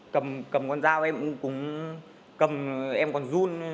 cầm con dao em cũng cầm em còn run